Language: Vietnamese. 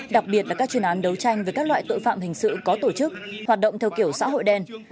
đặc biệt là các chuyên án đấu tranh với các loại tội phạm hình sự có tổ chức hoạt động theo kiểu xã hội đen